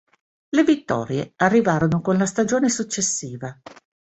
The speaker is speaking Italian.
Le vittorie arrivarono con la stagione successiva.